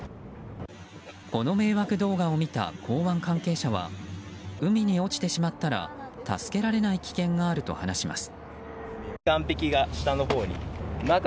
この迷惑動画を見た港湾関係者は海に落ちてしまったら助けられない危険があると話します。